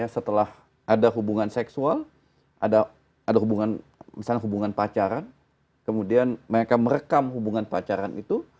setelah ada hubungan seksual ada hubungan misalnya hubungan pacaran kemudian mereka merekam hubungan pacaran itu